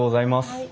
はい。